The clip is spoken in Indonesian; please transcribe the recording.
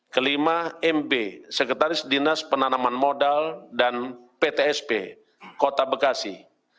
kelima mb sekretaris dinas penanaman modal dan ptsp kota bekasi